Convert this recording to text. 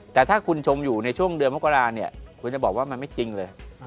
แต่ถ้าคุณชมอยู่ในช่วงเดือนมกราเนี่ยคุณจะบอกว่ามันไม่จริงเลย